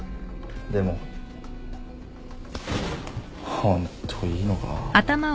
でもホントいいのか？